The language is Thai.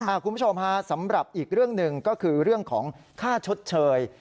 คุณผู้ชมฮะสำหรับอีกเรื่องหนึ่งก็คือเรื่องของค่าชดเชย